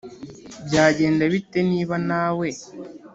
Byagenda bite niba nawe